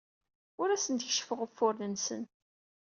Ur asen-d-keccfeɣ ufuren-nsen.